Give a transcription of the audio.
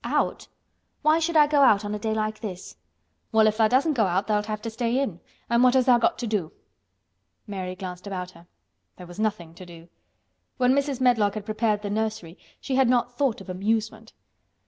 "Out? Why should I go out on a day like this?" "Well, if tha' doesn't go out tha'lt have to stay in, an' what has tha' got to do?" Mary glanced about her. There was nothing to do. When Mrs. Medlock had prepared the nursery she had not thought of amusement.